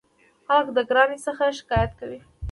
خلک د ګرانۍ څخه شکایت کوي.